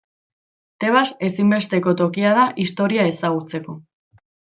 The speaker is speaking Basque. Tebas ezinbesteko tokia da Historia ezagutzeko.